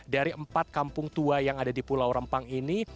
dari empat kampung tua yang ada di pulau rempang ini